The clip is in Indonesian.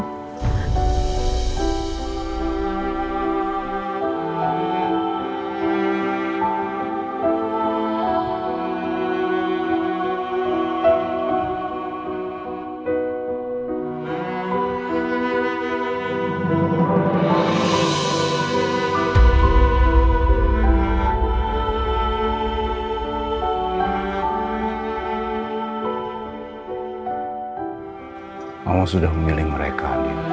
kamu sudah memilih mereka